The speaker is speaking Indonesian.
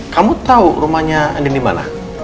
kamu tau rumahnya andin dimana